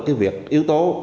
cái việc yếu tố